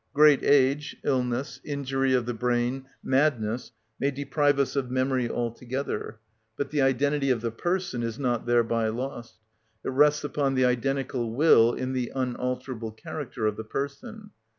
Great age, illness, injury of the brain, madness, may deprive us of memory altogether, but the identity of the person is not thereby lost. It rests upon the identical will and the unalterable character of the person.